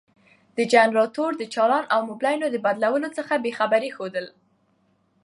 د جنراتور د چالان او مبلينو د بدلولو څخه بې خبري ښوول.